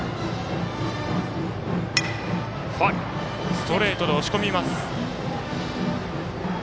ストレートで押し込みます。